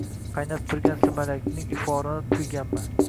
Qaynab turgan sumalakning iforini tuyganman.